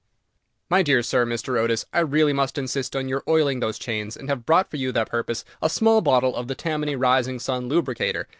"My dear sir," said Mr. Otis, "I really must insist on your oiling those chains, and have brought you for that purpose a small bottle of the Tammany Rising Sun Lubricator.